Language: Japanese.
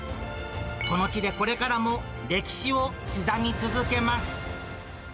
この地でこれからも歴史を刻み続けます。